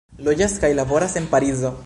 Loĝas kaj laboras en Parizo.